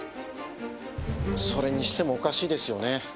それにしてもおかしいですよね。